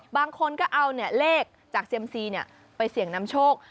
บางคนก็เอาเลขจากเซียมซีไปเสี่ยงนำโชค